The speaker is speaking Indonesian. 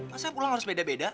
masa pulang harus beda beda